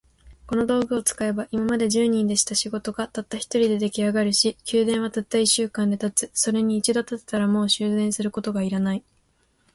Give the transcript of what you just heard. この道具を使えば、今まで十人でした仕事が、たった一人で出来上るし、宮殿はたった一週間で建つ。それに一度建てたら、もう修繕することが要らない。